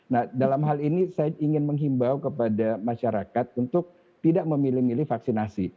nah dalam hal ini saya ingin menghimbau kepada masyarakat untuk tidak memilih milih vaksinasi